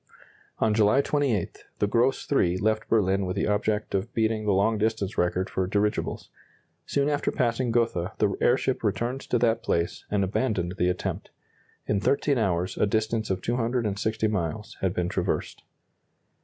On July 28, the "Gross III" left Berlin with the object of beating the long distance record for dirigibles. Soon after passing Gotha the airship returned to that place, and abandoned the attempt. In 13 hours a distance of 260 miles had been traversed.